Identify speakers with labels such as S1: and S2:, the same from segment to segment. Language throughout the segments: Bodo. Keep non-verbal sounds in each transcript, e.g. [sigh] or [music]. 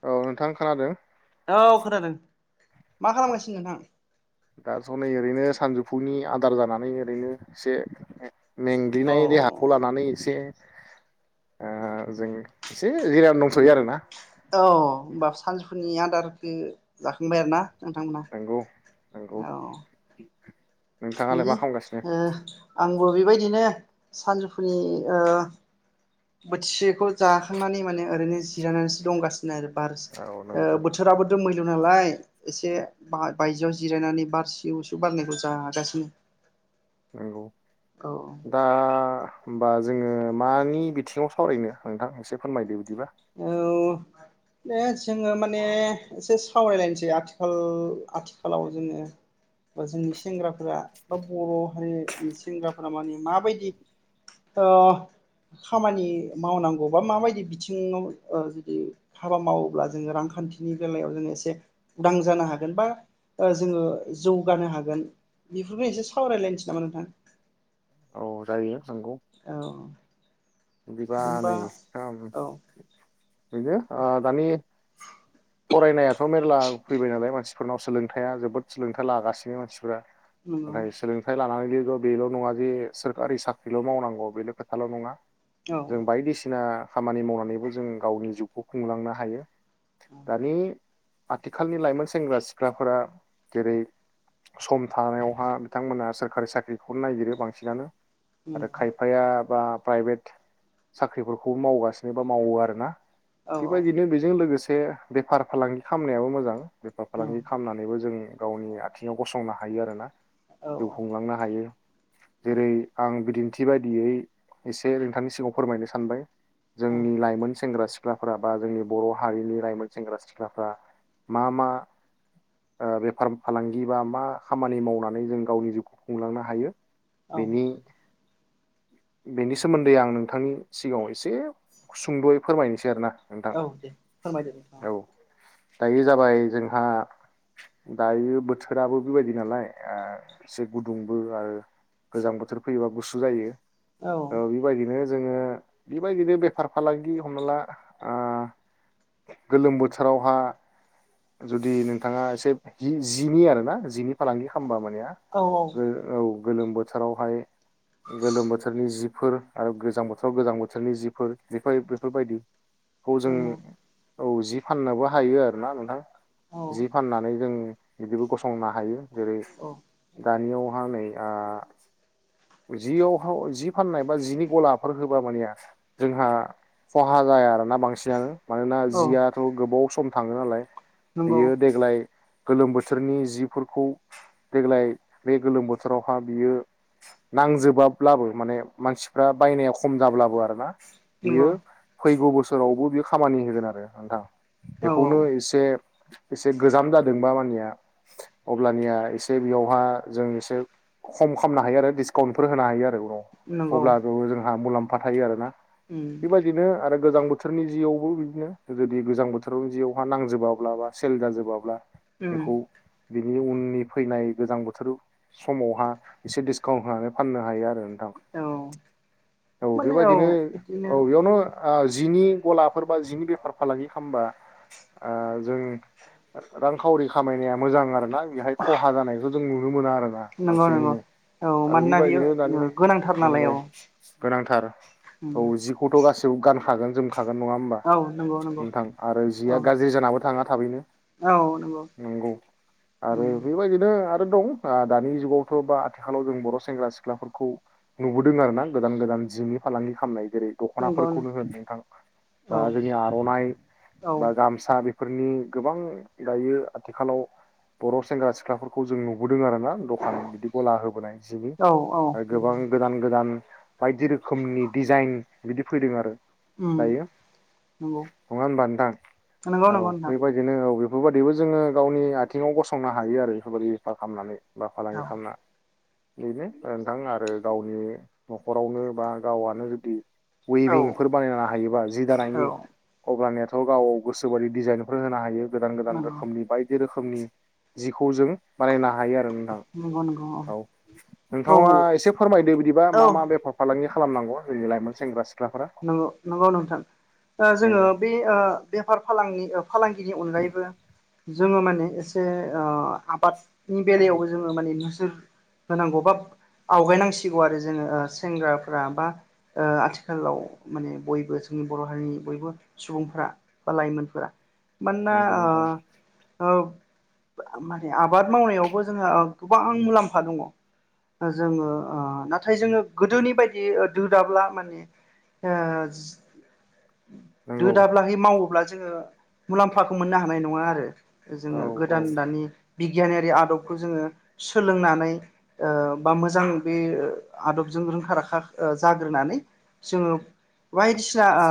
S1: औ नोंथां खोनादों
S2: औ खोनादों। [inaudible] नोंथां?
S1: दाथ नै ओरैनो सानजौ फुनि आदार जानानै ओरैनो एसे
S2: औ
S1: मेंग्लिनाय देहाखौ लानानै एसे ओ जों एसे जिरान दं
S2: औ होमबा सानजौफुनि आ दारखो जाखांबाय आरो ना? नोंथांमोना
S1: नंगौ नंगौ
S2: औ
S1: नोंथाङालाय मा
S2: दोङो
S1: खालामगासिनो
S2: ओ आंबो बेबायदि बिदिनो सानजौफुनि ओ बोथिसेखौ जाखांनानै माने ओरैनो जिरायनासो दंगासिनो नो आरो बारजों
S1: औ
S2: ओ
S1: नंगौ
S2: बोथोराबो दोमै नालाय एसे बायजोआव जिरायनानै बार सिउ सिउ बारनायखौ जागासिनो
S1: नंगौ
S2: औ
S1: दा होमबा जोङो मानि बिथिङाव सावरायनो नोंथां एसे फोरमायदो बिदिबा
S2: औ दे जोङो माने एसे सावरायलायनोसै आथिखाल आथिखालाव जोङो बा जोंनि सेंग्राफोरा बा बर हारिनि सेंग्राफोरा माने माबायदि खामानि मावनांगौ बा माबायदि बिथिं थिङाव ओ जुदि हाबा मावोब्ला जोङो रांखान्थिनि बेलायाव जोङो एसे उदां जानो हागोन बा जोङो जौगानो हागोन बेफोरखौ एसे सावरायलायनोसै नामा नोंथां
S1: औ जायो नंगौ
S2: औ
S1: बिदिबा
S2: जेनबा
S1: [unintelligible]
S2: औ
S1: बिनो आ दानि फरायनायाथ मेरला फैबाय नालाय मानसिफोरनाव सोलोंथाया जोबोद सोलोंथाइ लागासिनो मानसिफोरा
S2: नंगौ
S1: ओमफ्राय सोलोंथाइ लानानै बेल बेल नङा जे सोरखारि साख्रिल मावनांगौ बेल खोथाल नङा
S2: औ
S1: जों बायदिसिना खामानि मावनानैबो जों गावनि जिउखौ खुंलांनो हायो दानि आथिखालनि लाइमोन सेंग्रा सिख्लाफोरा जेरै सम थानायावहा बिथांमोनहा सोरखारि साख्रिखौनो नागिरो बांसिनानो आरो
S2: नंगौ
S1: खायफाया बा प्राइभेट साख्रिफोरखौ मावगासिनो बा मावो आरो ना
S2: औ औ
S1: बेबायदिनो बेजों लोगोसे एसे बेफार फालांगि खालामनायाबो मोजां। बेफार
S2: औ
S1: फालांगि खालामनानैबो जों। गावनि आथिङाव गसंनो हायो आरो ना।
S2: औ
S1: जिउ खुंलांनो हायो जेरै आं बिदिनो थि बायदियै एसे ए नोंथांनि सिगाव फोरमायनो सानबाय
S2: औ
S1: जोंनि लाइमोन सेंग्रा सि सिख्लाफोरा बा जोंनि बर' हारिनि लाइमोन सेंग्रा सिख्लाफ्रा मा मा ओ बेफार फालांगि बा मा खामानि मावनानै जों गावनि जिउखौ खुंलांनो हायो?
S2: औ
S1: बेनि बेनि सोमोन्दै आं नोंथांनि सिगाङाव एसे सुंद'यै फोरमायनोसै आरो ना।
S2: औ दे फोरमायदो नोंथाङा
S1: दायो जाबाय जोंहा दायो बोथोराबो बेबायदि नालाय ओ एसे गुदुंबो आरो गोजां बोथोर फैयोबा गुसु जायो। औ बेबायदिनो जोङो बेबायदिनो बेफार फालांगि हमना ला आ गोलोम बोथोरावहा जुदि नोंथाङा एसे जिनि आरोना जिनि फालांगि खालामबा आरो [unintelligible] मानेया
S2: औ औ
S1: गोलोम बोथोरावहाय गोलोम बोथो बोथोरनि जिफोर आरो गोजां बोथोराव गोजां बोथोरनि जिफोर जखाय बेफोरबायदि खौ जों
S2: नंगौ
S1: औ जि फाननोबो हायो आरो ना नोंथां।
S2: औ
S1: जि फाननानै जों बिदिबो गसंनो हायो। जेरै
S2: औ
S1: दानियाव‌ [unintelligible] जि फाननाय बा जिनि गलाफोर होबा माने जोंहा खहा जाया आरोना बांसिनानो। मानोना
S2: औ
S1: जियाथ' गोबाव स सम थाङो नालाय।
S2: नंगौ
S1: बियो देग्लाय गोलोम बोथोरनि जिफोरखौ देग्लाय बे गोलोम बोथोरावहा बियो नांजोबाब ब्लाबो माने मानसिफ्रा बायनाया खम जाब्लाबो आरोना
S2: नंगौ
S1: बेयो फैगौ बोसोर बोसोरावबो बेयो खामानि होगोन आरो नोंथां।
S2: औ
S1: बेखौनो
S2: औ
S1: एसे एसे गोजाम जादों बा मानिया अब्लानिया एसे बेयावहा जों एसे खम खालामनो हायो आरो डिसकाउन्टफोर होनो हायो आरो [unintelligible]
S2: नंगौ
S1: अब्ला जोंहा मुलाम मा थायो आरो ना
S2: उम
S1: बि बादिनो आरो गोजां बोथोरनि जिआवबो बिदिनो जुदि गोजां बोथोरनि जिआवहा नांजोबाब्ला बा सेल जाजोबाब्ला
S2: उम
S1: बेखौ बिनि उननि फैनाय गोजां बोथोर समावहा एसे डिसकाउन्ट होनानै फाननो हायो आरो। नोंथां
S2: औ
S1: औ बे
S2: माने
S1: बायदिनो
S2: बिदिनो
S1: औ [unintelligible] जिनि गलाफोर बा जिनि बेफार फालांगि खालामबा ओ जों रांखावरि खामायनाया मोजां आरोना बेहाय खहा जानाय जों नुनो मोना। आरोना
S2: नंगौ नंगौ
S1: बांसिनैनो
S2: औ
S1: आरो
S2: मानोना बियो
S1: बेबायदिनो
S2: उम
S1: दानि
S2: गोनां
S1: नंगौ गोनांथार
S2: उम
S1: औ जिखौथ' गासिबो गानफागोन जों खागोन नंङा होमबा
S2: औ नंगौ नंगौ
S1: नोंथां आरो
S2: औ
S1: जिया गाज्रि जानाबो थांङा थाबैनो नंगौ आरो
S2: उम
S1: बे बायदिनो दं ओ दानि जुगावथ' बा आथिखालाव जों बर' सेंग्रा सिख्लाफोरखौ नुबोदों आरो ना गोदान गोदान जिनि फालांगि खालामनाय जेरै
S2: नंगौ
S1: दख'नाफोरखौनो होन नोंथां बा
S2: औ
S1: जोंनि आर'नाइ
S2: औ
S1: बा गामसा बे फोरनि गोबां दायो आथिखालाव बर' सेंग्रा सिख्लाफोरखौ जों नुबो नुबोदों आरो ना दखान बिदि गला होबाय जिनि
S2: औ औ
S1: आरो
S2: नंगौ
S1: गोबां गोदान गोदान दानि बायदि रोखोमनि डिजाइन बिदि फैदों आरो।
S2: उम
S1: दायो
S2: नंगौ
S1: नंङा होनबा नोंथां
S2: नंगौ
S1: औ
S2: नंगौ
S1: बे
S2: नोंथां
S1: बायदिनो औे बेफोर बायादिबो जोंङो गावनि आथिंङाव गसंनो हायो आरो बेफोर बायदि बेफार खालामनानै। बा फालांगि
S2: औ
S1: खालामना। बेनो ओ बिथां आरो गावनि न'खरावनो बा गावआनो जुदि
S2: औ
S1: वभिं फोर बानायनो हायोबा जि दानायनि
S2: औ
S1: अब्ला ने औ गाव गोसो बायदि डिजाइन फोर होनो हायो। गोदान गोदान
S2: नंगौ
S1: रोखोमनि बायदि रोखोम नि जिखौ जों बानायना हायो आरो नोंथां
S2: नंगौ नंगौ
S1: औ।
S2: औ
S1: थांङा एसे फोरमायदो बिदिबा
S2: औ
S1: मा
S2: औ
S1: मा बेफार फालांगि खालामनांगौ जोंनि लाइमोन सेंग्रा-सिख्ला
S2: नोंगौ नोंगौ नोंथां ओ जोङो
S1: नंगौ
S2: बे ओ बेफार फालां-फालां गिनि अनगायैबो जोङो माने एसे ओ आबादनि बेलायावबो जोङो माने नोजोर होनांगौ बा आवगायनांसिगौ आरो जोङो ओ सेंग्राफ्रा बा ओ आथि खालाव माने बयबो जोंनि बर' हारिनि बयबो सुबुंफोरा बा लाइमोनफोरा मानोना
S1: नंगौ नोंथां
S2: ओ औ माने आबाद मावनायावबो जोंहा गोबां मुलाम्फा दङ ओ जोङो ओ नाथाय जोङो गोदोनि बायदि ओ दो दाब्ला माने ओ दो
S1: नंगौ
S2: दाब्लाहै मावोब्ला जोङो मुलाम्फाखौ मोननो हानाय नङा आरो
S1: औ
S2: जोङो
S1: औ
S2: गोदान दानि बिगियानयारि आदबखौ जोङो सोलोंनानै ओ बा मोजां बे आदबजों रोंखा राखा ओ जाग्रोनानै जोङो बायदिसिना ओ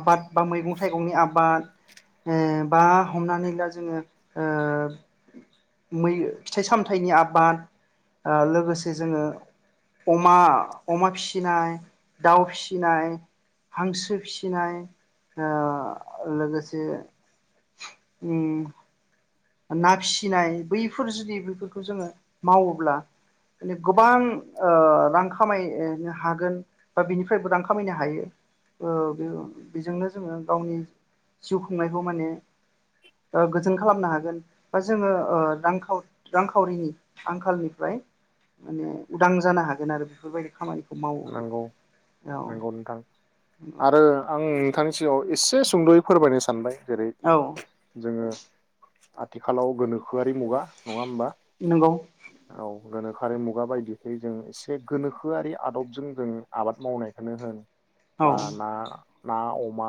S2: आबाद बा मैगं थाइगंनि आबाद। ओ बा हमनानै ला जोङो ओ मै फिथाइ सामथायाइनि आबाद ओ लोगोसे जोङो अमा-अमा फिसिनाय दाउ फिसिनाय हांसो फिसिनाय ओ लोगोसे उम ना फिसिनाय बैफोर जुदि बैफोरखौ जोङो मावोब्ला माने गोबां ओ रां खामायनो हागोन बा बिनिफ्रायबो रां खामायनो हायो ओ बेजोंनो जोङो गावनि जिउ खुंनायखौ माने गोजोन खालामनो हागोन दा जोङो ओ रां खाउरि रां खाउरिनि आंखालनिफ्राय माने उदां जानो हागोन आरो बेफोर बायदि खामानि
S1: नोंगौ नोंगौ नोंथां
S2: नंगौ
S1: आरो आं नोंथांनि सिगाङाव एसे एसे सुंद'यै फोरमायनो सानबाय जेरै
S2: औ
S1: जोङो आथिखालाव गोनोखोआ मुगा नङा होमबा
S2: नंगौ
S1: औ गोनोखोआरि मुगा बायदिखैजों एसे गोनोखोआरि आदबजों जों आबाद मावनायखौनो होन बा
S2: औ
S1: ना ना अमा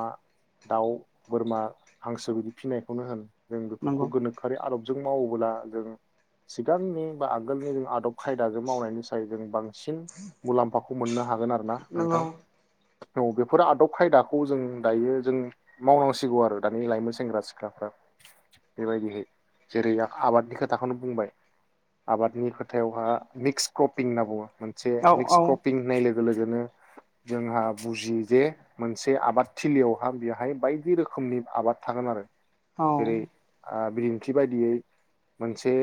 S1: दाउ बोरमा हांसो बिदि फिसिनायखौनो होन जों बेफोरखौ
S2: नंगौ
S1: गोनोखोआरि आदब जों मावोब्ला जों सिगांनि बा आगोलनि जों आदब खायदाजों मावनायनि सायाव जों बां सिन मुलाम्फाखौ मोननो हागोन आरो ना नोंथां
S2: औ
S1: औ बेफोर आदब खायदाखौ जों दायो जों मावनांसिगौ आरो दानि लाइमोन सेंग्रा सिख्लाफ्रा बेबायदिहै जेरै आबादनि खोथाखौनो बुंबाय आबादनि खोथायावहा मिक्स क्रपिं होनना बुङो मोनसे मिक्स
S2: औ
S1: क्रपिं होन्नाय लोगो लोगो लोगोनो जोंहा बुजियो जे मोनसे आबादथिलियावहा बेहाय बायदि रोखोमनि आबाद थागोन आरो
S2: औ
S1: जेरै आ बिदिन्थि बायदियै मोनसे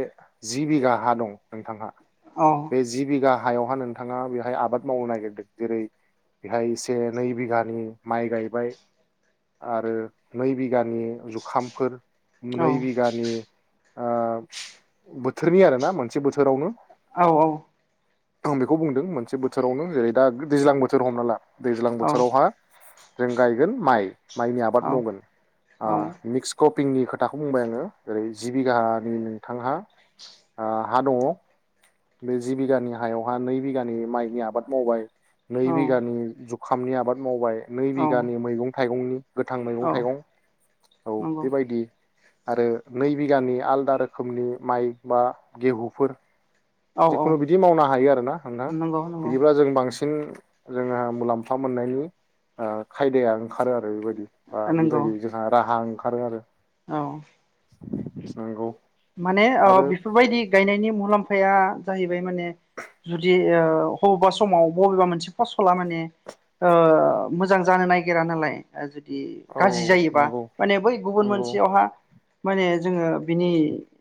S1: जि बिघा हा दं नोंथांहा
S2: औ
S1: बे जि बिघा हायावहा नों नोंथाङा बेहाय आबाद मावनो नागिरदों जेरै बेहाय से नै बिघानि माइ गायबाय आरो नै बि घानि जुखामफोर
S2: औ
S1: नै बिघानि ओ बोथोरनि आरोना मोनसे बोथोरावनो।
S2: औ औ
S1: खोम बेख बेखौ बुंदों मोनसे बोथोरावनो जेरै दा दैज्लां बोथोर हमना ला दैज्लां बोथोरावहा जों गायगोन माइ माइनि आबाद मावगोन
S2: औ
S1: ओ मिक्स क पिंनि खोथाखौ बुंबाय आङो जेरै जि बिघानि नोंथांहा ओ हा दङ बे जि बिघानि हायाव हान नै बिघानि माइनि आबाद मावबाय नै बिगा नि जुग खामनि आबाद मावबाय नै
S2: औ
S1: बिगानि मैगं थाइगंनि गोथां मैगं
S2: औ
S1: थाइगं औ
S2: नंगौ
S1: बेबायदि आरो नै बिघानि आलदा रोखोमनि माइ बा गेहुफोर
S2: औ
S1: जिखुनु
S2: औ
S1: बिदि मावनो हायो आरो हा हालदा
S2: नंगौ नंगौ
S1: बिदिब्ला जों बां सिं जोंहा मुलाम्फा मोननायनि ओ खायदाया ओंखारो आरो बेबायद आ
S2: नंगौ
S1: बेबायदि जोंहा राहा ओंख खारो आरो
S2: औ
S1: स नंगौ।
S2: माने ओ
S1: आरो
S2: बेफोरबायदि गायनायनि मुलाम्फाया जाहैबाय माने जुदि ओ अबावबा समाव बबेबा मोनसे फस'ला माने ओ मोजां जानो नागिरा नालाय ओ जे दि
S1: औ
S2: गाज्रि जायोबा
S1: नंगौ
S2: माने बै गुबुन
S1: नंगौ
S2: मोनसेयावहा माने जोङो बिनि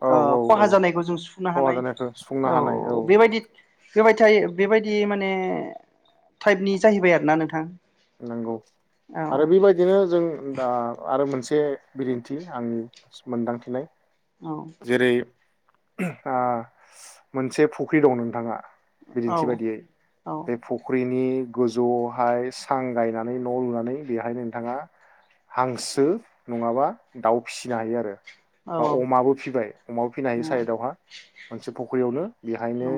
S1: औ
S2: ओ
S1: औ
S2: खहा
S1: औ
S2: जानायखौ जों सुफुंनो
S1: खहा
S2: हानाय
S1: जानायखौ सुफुंनो हानाय
S2: औ बेबायदि होबायथायो बेबायदि माने टाइपनि जाहैबाय आरोना नोंथां
S1: नोंगौ
S2: औ
S1: आरो बेबायदिनो जों दा आरो मोनस से बिदिन्थि आंनि स मोनदांथिनाय
S2: औ
S1: जेरै ओ मोनसे फुख्रि दं नोंथाङा। बिदिन्थि बायदियै
S2: औ
S1: बे फुख्रिनि गोजौयावहाय सां गायनानै न' लुनानै बेहाय नोंथाङा हांसो नङाबा दाउ फिनो हायो आरो। बा
S2: औ
S1: अमाबो फिबाय अमाबो फिनायनि
S2: नंगौ
S1: साइदावहा मोनसे फख्रियावनो बेहायनो
S2: नंगौ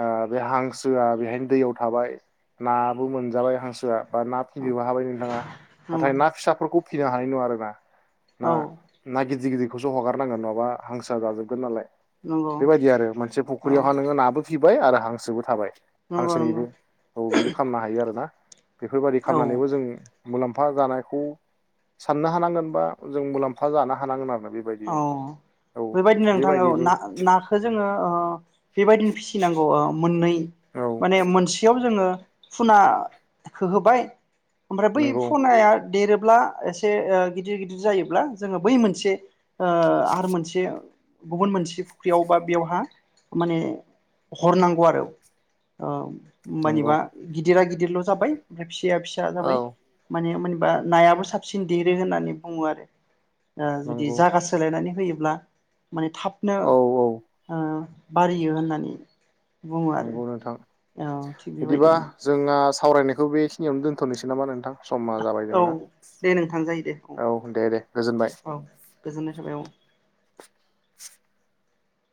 S1: ओ बे हांसोआ बेहायनो दैयाव थाबाय नाबो मोनजाबाय हांसो जा बा ना
S2: औ
S1: फिनोबो हाबाय नोंथाङा नाथाय
S2: नंगौ
S1: ना फिसाफोरखौ फिनो हानाय नङा आरोना। ना
S2: औ
S1: ना गिदिर गिदिर बेखौसो हगारनांगोन नङाबा हांसो जाजोबगोन नालाय।
S2: नंगौ
S1: बेबायदि आरो मोनसे
S2: औ
S1: फुख्रियावहा नोङो नाबो फिबाय आरो हांसोबो थाबाय।
S2: नंगौ नंगौ
S1: हांसोनिबो औ बिदि खामनो हायो आरो ना। बेफोरबायदि
S2: औ
S1: खालामनानैबो जोङो मुलाम्फा जानायखौ साननो हानांगोन बा जों मुलाम्फा जानो हानांगोन आरो।
S2: औ
S1: बेबायदिनो औ
S2: बेबायदिनो नोंथां औ
S1: बेबायदिबो
S2: ना-नाखौ जोङो ओं बेबायदिनो फिसिनांगौ ओ मोननै
S1: औ
S2: माने मोनसेयाव जोङो फुना हो-होबाय ओमफ्राय बै
S1: नंगौ
S2: फुनाया देरोब्ला एसे ओं गिदिर गिदिर जायोब्ला जोङो बै मोनसे ओं आरो मोनसे गुबुन मोनसे फुख्रियाव बा बेयावहा माने हरनांगौ आरो औ।
S1: नंगौ
S2: होमबानिबा गिदारा गिदिरल' जाबाय फिसाया फिसा
S1: औ
S2: जाबाय माने मोन बा नायाबो साबसिन देरो होननानै बुङो आरो। दा जुदि
S1: नंगौ
S2: जागासिनो नानै होयोब्ला माने थाबनो
S1: औ औ
S2: ओ बारियो होननानै बुङो आरो
S1: नंगौ नोंथां
S2: औ थिग
S1: बिदिबा
S2: बेबायदिनो
S1: जोंना सावरायनायखौ बेखिनियाव दोनथ'नोसै नामा नोंथां? समा जाबाय
S2: औ
S1: जोंना
S2: दे नोंथां जायो दे औ
S1: दे दे गोजोनबाय
S2: औ गोजोननाय थाबाय औ।
S1: [inaudible]